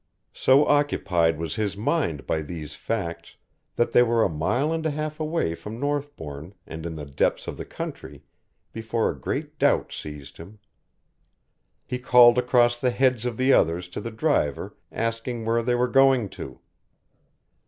So occupied was his mind by these facts that they were a mile and a half away from Northbourne and in the depths of the country before a great doubt seized him. He called across the heads of the others to the driver asking where they were going to.